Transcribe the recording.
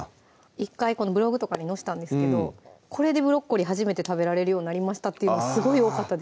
１回ブログとかに載せたんですけどこれでブロッコリー初めて食べられるようになったっていうのすごい多かったです